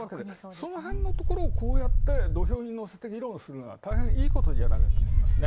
そのへんをこうやって土俵に乗せて議論するのは大変いいことじゃないかと思います。